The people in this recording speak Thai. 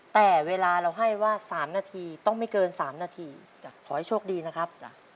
แต่เวลาเราให้ว่า๓นาทีต้องไม่เกิน๓นาทีขอให้โชคดีนะครับจ้ะ